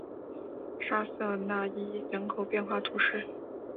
沙瑟讷伊人口变化图示